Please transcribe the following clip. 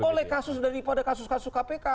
boleh kasus daripada kasus kasus kpk